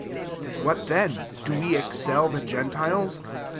9 What then ? do we excel the gentiles